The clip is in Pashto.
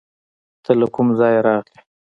ته له کوم ځایه راغلې؟